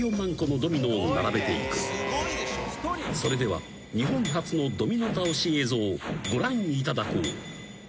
［それでは日本初のドミノ倒し映像をご覧いただこう］